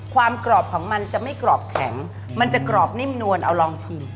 กรอบของมันจะไม่กรอบแข็งมันจะกรอบนิ่มนวลเอาลองชิม